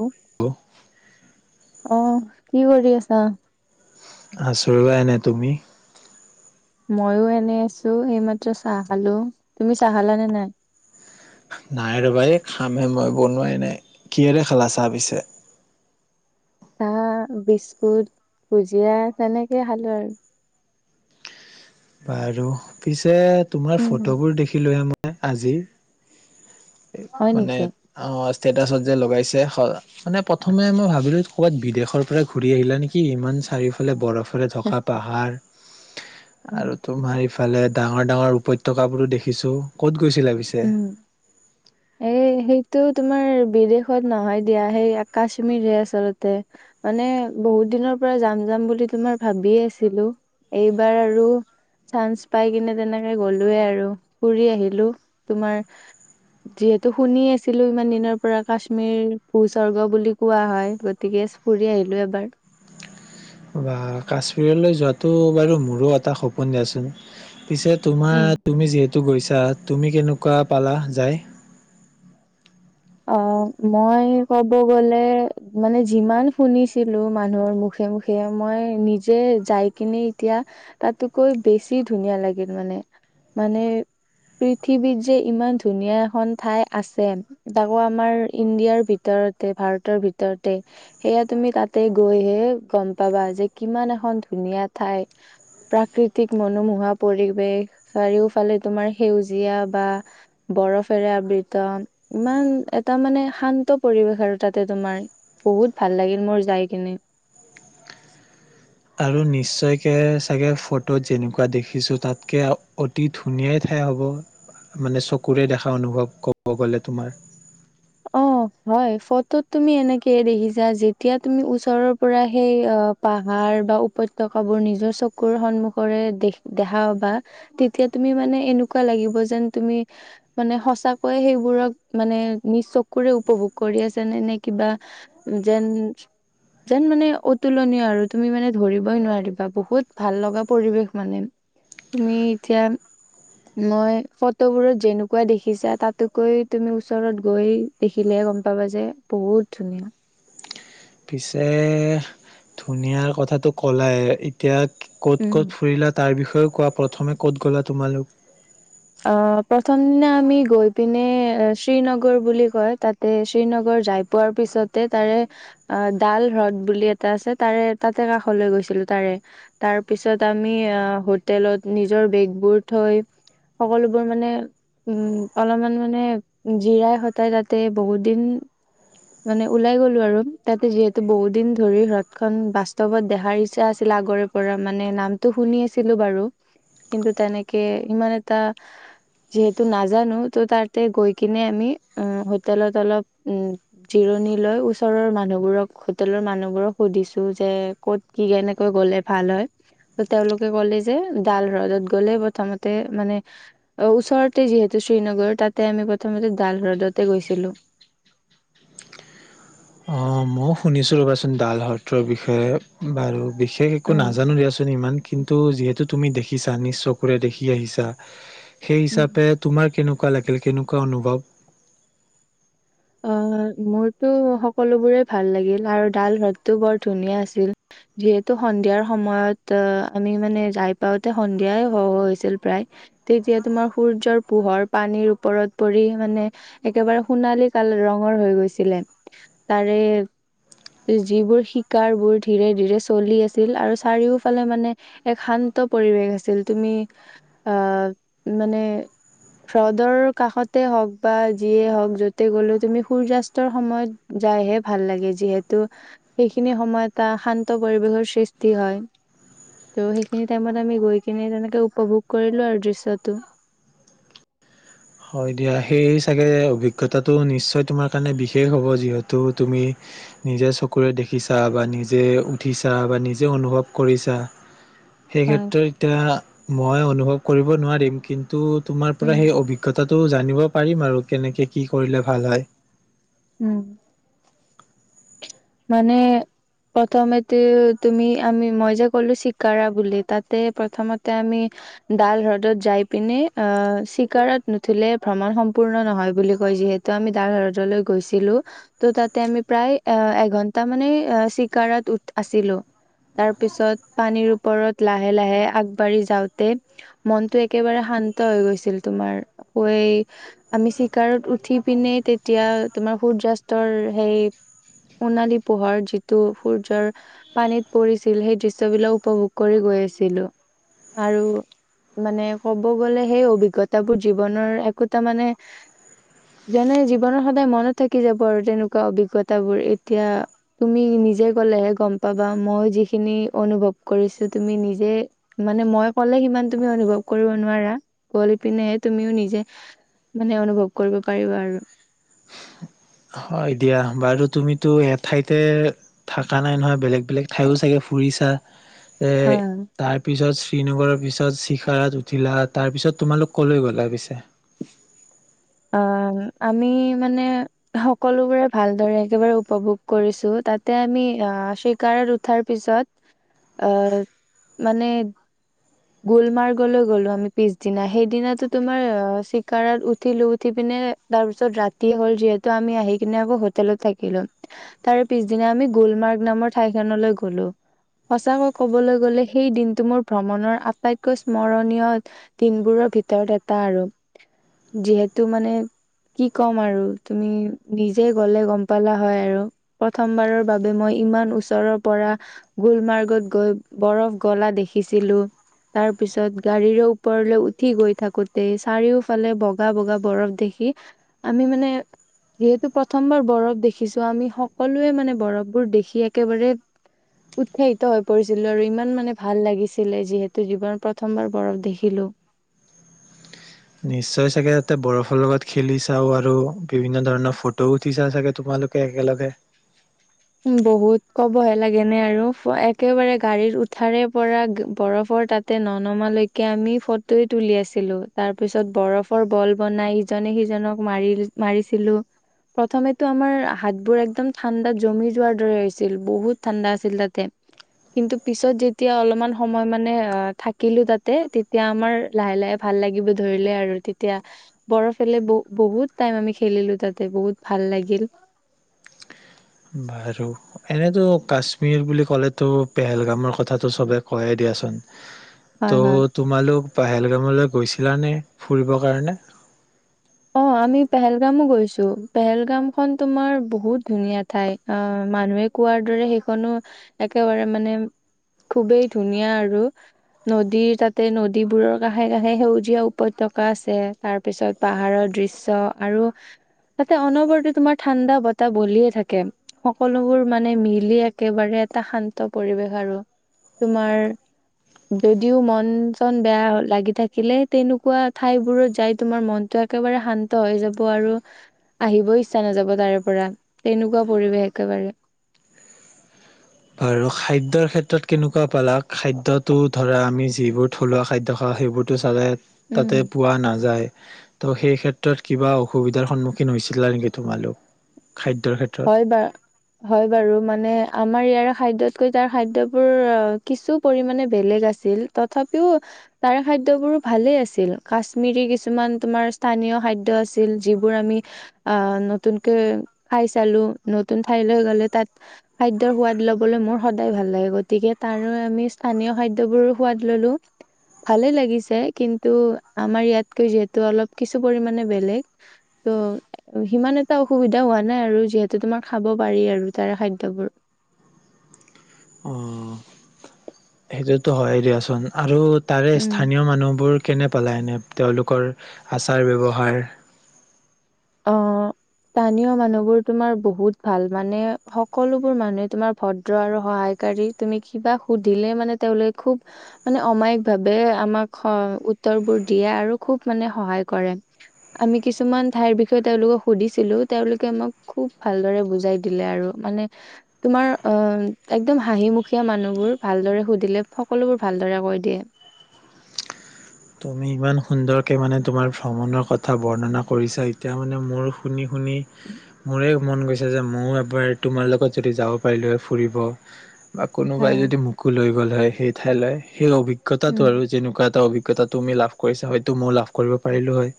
অ hello, অ কি কৰি আছা আছো এনে, তুমি? ময়ো এনে আছো এইমাত্ৰ চাহ খালো তুমি চাহ খালানে নাই? নাই ৰ'বা এই খামহে মই বনোৱাই নাই কিহেৰে খালা চাহ পিছে? চাহ বিস্কুট ভুজিয়া তেনেকে খালো আৰু বাৰু পিছে তোমাৰ উম, ফটোবোৰ দেখিলোৱে ম ই আজিৰ হয় মানে নেকি? অ ষ্টেটাচত যে লগাইছে মানে প্ৰথমে মই ভাবিলো ক'ৰবাত বিদেশৰ পৰা ঘূৰি আহিলা নেকি ইমান চাৰিওফালে বৰফ ৰে অ'। থকা পাহাৰ [inaudible] আৰু তোমাৰ। ইফালে ডাঙৰ ডাঙৰ উপত্যকাবোৰো দেখিছো ক'ত। গৈছিলা পিছে? সেই টো তোমাৰ বিদেশত নহয় দিয়া সেই কাশ্মীৰহে আচলতে মানে বহুত দিনৰ পৰা যাম যাম বুলি তোমাৰ ভাবিয়ে আছিলো, এইবাৰ আৰু চান্স পাই কিনে তেনেকে গলোয়ে আৰু ফুৰি আহিলো। তোমাৰ যিহেতু শুনি আছিলো, ইমান দিনৰ পৰা কাশ্মীৰ ভূ স্বৰ্গ বুলি কোৱা হয় গতিকে ফুৰি আহিলো এবাৰ। বা, কাশ্মীৰলৈ যোৱাটো বাৰু মোৰো এটা সপোন দিয়াচোন। পিছে উম। তোমাৰ তুমি যিহেতু। গৈছা তুমি কেনেকুৱা পালা যায়? অ, মই কব গলে মানে যিমান শুনিছিলো মানুহৰ মুখে মুখে, মই নিজে যাই কিনে এতিয়া তাতকৈ বেছি ধুনীয়া লাগিল মানে। মানে পৃথিৱীত যে ইমান ধুনীয়া এখন ঠাই আছে। তাকো আমাৰ ইণ্ডিয়াৰ ভিতৰতে ভাৰতৰ ভিতৰতে সেয়া তুমি তাতে গৈহে গম পাবা যে, কিমান এখন ধুনীয়া ঠাই প্ৰাকৃতিক মনোমোহা পৰিৱেশ চাৰিওফালে তোমাৰ সেউজীয়া বা বৰফেৰে আবৃত। ইমান এটা মানে শান্ত পৰিৱেশ আৰু তাতে তোমাৰ, বহুত ভাল লাগিল মোৰ যাই কিনে। আৰু নিশ্চয়কে চাগে ফটোত যেনেকুৱা দেখিছোঁ তাতকে অতি ধুনীয়াই ঠাই হ'ব, মানে চকুৰে দেখা অনুভৱ ক'ব গ'লে তোমাৰ। অ হয় ফটোত তুমি এনেকেয়ে দেখিছা যেতিয়া তুমি ওচৰৰ পৰা সেই অ পাহাৰ বা উপত্যয়কাবোৰ নিজৰ চকুৰ সন্মুখৰে দে দেখাও বা তেতিয়া তুমি মানে এনেকুৱা লাগিব যেন তুমি মানে সচাকৈয়ে সেইবোৰক মানে নিজ চকো। ৰে উপভোগ কৰি আছা নে? নে কিবা যেন যেন মানে অতুলনীয় পৰিবেশ আৰু তুমি মানে ধৰিবই নোৱাৰিবা বহুত ভাল লগা পৰিৱেশ মানে তুমি এতিয়া মই ফটোবোৰত যেনেকুৱা দেখিছা তাতকৈ তুমি ওচৰত গৈ। দেখিলেহে গম পাবা যে বহুত ধুনীয়া। পিছে ধুনীয়াৰ কথাটো ক'লাই এতিয়া। ক'ত ক'ত ফুৰিলা তাৰ বিষয়েও। কোৱা প্ৰথমে ক'ত গ'লা তোমালোক? অ, প্ৰথম দিনা আমি গৈ পিনে শ্ৰীনগৰ বুলি কয় তাতে শ্ৰীনগৰ যাই পোৱাৰ পিছতে তাৰে ডাল হ্ৰদ বুলি এটা আছে তাৰে তাতে কাষলৈ গৈছিলো তাৰে তাৰ পিছত আমি হোটেলত নিজৰ বেগবোৰ থৈ। সকলোবোৰ মানে উম অলপমান মানে জিৰাই সটাই তাতে বহুত দিন। মানে ওলাই গলো আৰু তাতে যিহেতু বহুত দিন ধৰি হ্ৰদ খন বাস্তৱত দেখাৰ ইচ্ছা আছিল আগৰে পৰা মানে নামটো শুনি আছিলো, বাৰু কিন্তু তেনেকে ইমান এটা যিহেতু নাজানো ত তাতে গৈ কিনে আমি হোটেলত অলপ। জিৰণি লৈ ওচৰৰ মানুহবোৰক হোটেলৰ মানুহবোৰক সুধিছো যে, ক'ত কি কেনেকৈ গলে ভাল হয় ত তেওঁলোকে ক'লে যে ডাল হ্ৰদত গলে প্ৰথমতে মানে ওচৰতে যিহেতু শ্ৰীনগৰ তাতে আমি প্ৰথমতে ডাল হ্ৰদতে গৈছিলো। মই শুনিছোঁ ৰ'বাচোন ডাল সত্ৰৰ বিষয়ে বাৰু। বিশেষ অ একো নাজানো দিয়াচোন ইমান। কিন্তু যিহেতু তুমি দেখিছা নিজ চকুৰে দেখি আহিছা। সেই উম। হিচাপে তোমাৰ কেনেকুৱা। কুৱা লাগিল কেনেকুৱা অনুভৱ? অ, মোৰতো সকলোবোৰে ভাল লাগিল আৰু ডাল হ্ৰদতটো বৰ ধুনীয়া আছিল, যিহেতু সন্ধিয়াৰ সময়ত আমি মানে যাই পাওঁতে সন্ধিয়াই হ হৈছিল প্ৰায় তেতিয়া তোমাৰ সূৰ্যৰ পোহৰ পানীৰ ওপৰত পৰি মানে একেবাৰে সোণালী। কাল ৰঙৰ হৈ গৈছিলে তাৰে যিবোৰ শিকাৰ বোৰ ধীৰে ধীৰে চলি আছিল, আৰু চাৰিওফালে মানে এক শান্ত পৰিৱেশ আছিল তুমি আহ মানে হ্ৰদৰ কাষতে হওক বা যিয়ে হওক য। তে গলো তুমি সূৰ্যয়াস্তৰ সময়ত যাইহে ভাল লাগে, যিহেতু সেইখিনি সময়ত এটা শান্ত পৰিৱেশৰ সৃষ্টি হয় ত' সেইখিনি টাইমত আমি গৈ কিনে তেনেকে উপভোগ কৰিলো আৰু দৃশ্যটো। হয় দিয়া, সেই চাগে অভিজ্ঞতাটো নিশ্চয় তোমাৰ কাৰণে বিশেষ হ'ব যিহেতু তুমি নিজে চকুৰে দেখিছা বা নিজে উঠিছা বা নিজে অনুভৱ কৰিছা। সেই হয় ক্ষেত্ৰত এতিয়া মই অনুভৱ। কৰিব নোৱাৰিম কিন্তু। ত তোমাৰ পৰা উম। সেই অভিজ্ঞতা। তাটো জানিব পাৰিম আৰু কেনেকে কি কৰিলে ভাল হয়। উম। মানে প্ৰথমতে তুমি আমি মই যে ক'লো, চিকাৰা বুলি তাতে প্ৰথমতে আমি ডাল হ্ৰদত যাই পিনে অ চিকাৰত নুঠিলে ভ্ৰমণ সম্পূৰ্ণ নহয় বুলি কয় যিহেতু আমি ডাল হ্ৰদলৈ গৈছিলো ত' তাতে আমি প্ৰায়। এ ঘন্টা মানে চিকাৰত উঠ আছিলো, তাৰ পিছত পানীৰ ওপৰত লাহে লাহে আগবাঢ়ি যাওঁতে মনটো একেবাৰে শান্ত হৈ গৈছিল তোমাৰ, আমি চিকাৰত উঠি পিনে তেতিয়া তোমাৰ সূৰ্যয়াস্তৰ সেই। সণালী পোহৰ যিটো সূৰ্যৰ পানীত পৰিছিল সেই দৃশ্বলাক উপভোগ কৰি গৈ আছিলো, আৰু মানে কব গলে সেই অভিজ্ঞতাাবোৰ জীৱনৰ একোটা মানে যেনে জীৱনৰ সদায় মনত থাকি যাব আৰু তেনেকুৱা অভিজ্ঞতাবোৰ। এতিয়া তুমি নিজে গলেহে গম পাবা, মই যিখিনি অনুভৱ কৰিছো তুমি নিজে মানে মই কলে সিমান তুমি অনুভৱ কৰিব নোৱাৰা গৈ পিনেহে তুমিও নিজে মানে অনুভৱ কৰিব পাৰিবা আৰু। হয় দিয়া বাৰু তুমিতো এ ঠাইতে থাকা নাই নহয় বেলেগ বেলেগ থাইও চাগে ফুৰিছা হয় হয় তাৰপিছত শ্ৰীনগৰৰ পিছত চিখাৰত উঠিলা তাৰ পিছত তোমালোক কলৈ গলা পিছে অ আমি মানে সকলোবোৰে ভালদৰে একেবাৰে উপভোগ কৰিছো তাতে আমি অ চিকাৰত উঠাৰ পিছত অ মানে গুলমাৰ্গলৈ গলো আমি পিছদিনা সেইদিনাো তোমাৰ অ চিকাৰত উঠ উঠি পিনে তাৰ পিছত ৰাতিয়ে হ'ল যিহেতু আমি আহি কিনে আকৌ হোটেলত থাকিলো তাৰ পিছদিনা আমি গুলমাৰ্গ নামৰ ঠাইখনলৈ গলো সঁচাকৈ কবলৈ গলে সেই দিনটো মোৰ ভ্ৰমণৰ আটাইতকৈ স্মৰণীয় দিনবোৰৰ ভিতৰত এটা আৰু যিহেতু মানে কি ক'ম আৰু তুমি নিজে গ'লে গম পালা হয় আৰু প্ৰথমবাৰৰ বাবে মই ইমান ওচৰৰ পৰা গুলমাৰ্গত গৈ বৰফ গলা দেখিছিলো তাৰ পিছত গাড়ীৰে ওপৰলৈ উঠি গৈ থাকোতে চাৰিওফালে বগা বগা বৰফ দেখি আমি মানে যিহেতু প্ৰথমবাৰ বৰফ দেখিছো আমি সকলোৱে মানে বৰফবোৰ দেখি একেবাৰে উৎসাহিত হৈ পৰিছিলো আৰু ইমান মানে ভাল লাগিছিলে যিহেতু জীৱনত প্ৰথমবাৰ বৰফ দেখিলো নিশ্চয় চাগে তাতে বৰফৰ লগত খেলি চাওঁ আৰু বিভিন্ন ধৰণৰ ফটোও উঠি চা চাগে তোমালোকে একেলগে বহুত কবহে লাগে নে আৰু একেবাৰে গাড়ীৰ উঠাৰে পৰা বৰফৰ তাতে ননমালৈকে আমি ফটোয়ে তুলি আছিলো তাৰ পিছত বৰফৰ বল বনাই ইজনে সিজনক মাৰি মাৰিছিলো প্ৰথমেতো আমাৰ হাতবোৰ একদম ঠাণ্ডাত জমি যোৱাৰ দ হৈছিল বহুত ঠাণ্ডা আছিল তাতে কিন্তু পিছত যেতিয়া অলপমান সময় মানে থাকিলো তাতে তেতিয়া আমাৰ লাহে লাহে ভাল লাগিব ধৰিলে আৰু তেতিয়া বৰফ এলে বহুত টাইম আমি খেলিলো তাতে বহুত ভাল লাগিল বাৰু এনেইতো কাশ্মীৰ বুলি ক'লেতো পেহেলগামৰ কথাটো চবে কয়ে দিয়াচোন হয় হয় ত' তোমালোক পাহেলগামলৈ গৈছি ছিলানে ফুৰিবৰ কাৰণে অ আমি পেহেলগামো গৈছো পেহেলগাম খন তোমাৰ বহুত ধুনীয়া ঠাই অ মানুহে কোৱাৰ দৰে সেইখনো একেবাৰে মানে খুবেই ধুনীয়া আৰু নদীৰ তাতে নদীবোৰৰ কাষে কাষে সেউজীয়া উপত্যকা আছে তাৰ পিছত পাহাৰৰ দৃশ্য আৰু তাতে অনবৰতে তোমাৰ ঠাণ্ডা বতাহ বলিয়ে থাকে সকলোবোৰ মানে মিলি একেবাৰে এটা শান্ত পৰিৱেশ আৰু তোমাৰ যদিও মন চন বেয়া লাগি থাকিলে তেনেকুৱা ঠাইবোৰত যাই তোমাৰ মন টো একেবাৰে শান্ত হৈ যাব আৰু আহিব ইচ্ছা নাযাব তাৰে পৰা তেনেকুৱা পৰিৱেশ একেবাৰে আৰু খাদ্যৰ ক্ষেত্ৰত কেনেকুৱা পালা খাদ্যটো ধৰা আমি যিবোৰ থলুৱা খাদ্য খাওঁ সেইবোৰতো চাগে উম। তাতে পোৱা নাযায় ত' সেই ক্ষেত্ৰত কিবা অসুবিধাৰ সন্মুখীন হৈছিলা নেকি তোমালোক খাদ্যৰ ক্ষেত্ৰত? হয় বা হয় বাৰু মানে মানে আমাৰ ইয়াৰ খাদ্যতকৈ তাৰ খাদ্যবোৰ আহ কিছু পৰিমানে বেলেগ আছিল তথাপিও তাৰ খাদ্যয়বোৰ ভালেই আছিল কাশ্মিৰী কিছুমান তোমাৰ স্থানীয় খাদ্য আছিল যিবোৰ আমি আহ নতুনকৈ খাই চালো নতুন ঠাই লৈ গলে তাত খাদ্যৰ সোৱাদ লবলৈ মোৰ সদাই ভাল লাগে গতিকে তাৰো আমি স্থানীয় খাদ্য বোৰো সোৱাদ ললোঁ ভালেই লাগিছে কিন্তু আমাৰ ইয়াত কেই যিহেতু অলপ কিছু পৰিমানে বেলেগ ত ইমান এটা অসুবিধা হোৱা নাই আৰু যিহেতু তোমাৰ খাব পাৰি আৰু তাৰ খাদ্যবোৰ অ'। সেইটোতো হয় দিয়াচোন আৰু তাৰে উম স্থানীয় মানুহবোৰ কেনে পেলায় এনে তেওঁলোকৰ আচাৰ ব্যৱহাৰ অঁ স্থানীয় মানুহবোৰ তোমাৰ বহুত ভাল মানে সকলোবোৰ মানুহে তোমাৰ ভদ্ৰ আৰু সহায়কাৰী তুমি কিবা সুধিলে মানে তেওঁলোক খুব মানে অমায়িক ভাৱে আমাক উত্তৰবোৰ দিয়ে আৰু খুব মানে সহায় কৰে আমি কিছুমান ঠাইৰ বি বিষয় তেওঁলোকক সুধিছিলো তেওঁলোকে মোক খুব ভালদৰে বুজাই দিলে আৰু মানে তোমাৰ আহ একদম হাঁহিমুখীয়া মানুহবোৰ ভালদৰে সুধিলে সকলোবোৰ ভালদৰে কৈ দিয়ে তুমি ইমান সুন্দৰকে মানে তোমাৰ ভ্ৰমণৰ কথা বৰ্ণনা কৰিছা এতিয়া মানে মোৰ শুনি শুনি মোৰে মন গৈছে যে ময়ো এবাৰ তোমাৰ লগত যদি যাব পাৰিলোঁ হয় ফুৰিব বা হয় কোনোবাই হয় যদি মোকো লৈ গ'ল হয় সেই ঠাইলৈ সেই অভিজ্ঞতা অভিজ্ঞতাতো উম আৰু যেনেুৱা এটা অভিজ্ঞতা কেইটাত তুমি লাভ কৰিছা সেইতো ময়ো লাভ কৰিব পাৰিলো হয়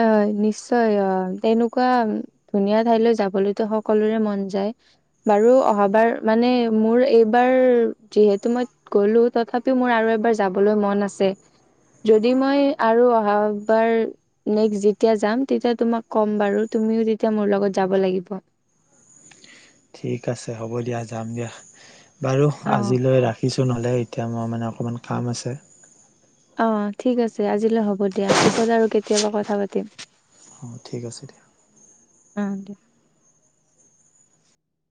হয় নিশ্চয় অ তেনেকুৱা ধুনীয়া ঠাইলৈ যাবলৈতো সকলোৰে মন যায় বাৰু অহাবাৰ মানে মোৰ এইবাৰ যিহেতু মই গলো তথাপিও মোৰ আৰু এবাৰ যাবলৈ মন আছে যদি মই আৰু অহাবাৰ নেক্সট যেতিয়া যাম তেতিয়া তোমাক ক'ম বাৰু তুমিও তেতিয়া মোৰ লগত যাব লাগিব ঠিক আছে হ'ব দিয়া যাম দিয়া বাৰু অ আজিলৈ ৰাখিছো নহ'লে এতিয়া মোৰ মানে অকণমান কাম আছে অঁ ঠিক আছে আজিলৈ হ'ব দিয়া পিছত আৰু কেতিয়া কেতিয়াবা কথা পাতিম। অঁ ঠিক আছে দিয়া। অঁ দে।